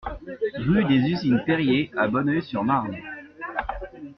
Rue des Usines Périer à Bonneuil-sur-Marne